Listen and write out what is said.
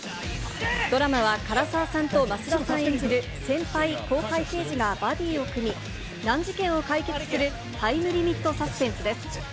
ドラマは、唐沢さんと増田さん演じる先輩、後輩刑事がバディを組み、難事件を解決する、タイムリミットサスペンスです。